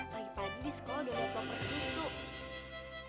pagi pagi di sekolah udah dateng perjisu